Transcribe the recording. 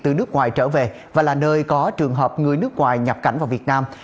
từ nước ngoài trở về và là nơi có trường hợp người nước ngoài nhập cảnh vào việt nam